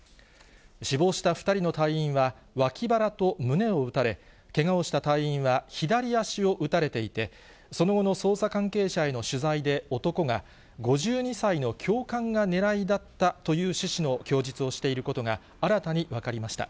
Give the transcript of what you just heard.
死亡した２人の隊員はわき腹と胸を撃たれ、けがをした隊員は左足を撃たれていて、その後の捜査関係者への取材で男が、５２歳の教官が狙いだったという趣旨の供述をしていることが新たに分かりました。